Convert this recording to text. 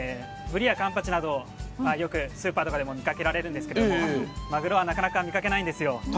ブリやカンパチなど、よくスーパーとかでも見かけられるんですけどマグロはなかなか見かけないんですよ。